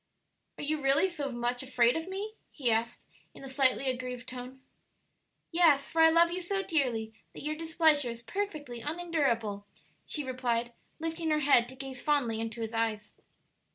"Are you really so much afraid of me?" he asked, in a slightly aggrieved tone. "Yes; for I love you so dearly that your displeasure is perfectly unendurable," she replied, lifting her head to gaze fondly into his eyes.